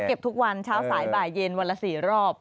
ทุกวันเช้าสายบ่ายเย็นวันละ๔รอบ